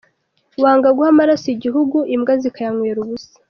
“Wanga guha amaraso igihugu, imbwa zikayanywera ubusa”!